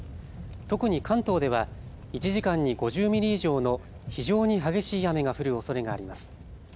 特に関東では１時間に５０ミリ以上の非常に激しい雨が降るおそれがあります。